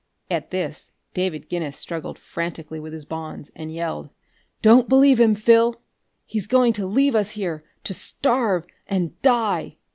At this, David Guinness struggled frantically with his bonds and yelled: "Don't believe him, Phil! He's going to leave us here, to starve and die!